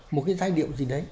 một cái giai điệu gì đấy